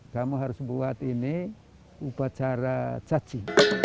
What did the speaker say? kamu harus buat ini upacara caci